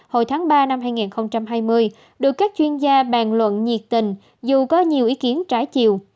hồi tháng ba năm hai nghìn hai mươi được các chuyên gia bàn luận nhiệt tình dù có nhiều ý kiến trái chiều